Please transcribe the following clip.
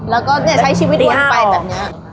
แล้วก็ใช้ชีวิตวนไปแบบนี้